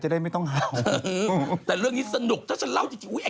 กระเทยเก่งกว่าเออแสดงความเป็นเจ้าข้าว